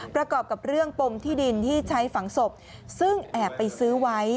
ประกอบกับเรื่องปมที่ดินที่ใช้ฝังศพซึ่งแอบไปซื้อไว้